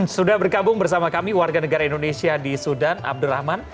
sudah bergabung bersama kami warga negara indonesia di sudan abdurrahman